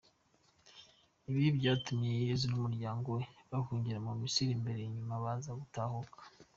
Ibi byatumye Yezu n’umuryango we bahungira mu Misiri mbere nyuma baza gutahuka.